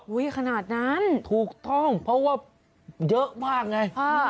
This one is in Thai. ขนาดนั้นถูกต้องเพราะว่าเยอะมากไง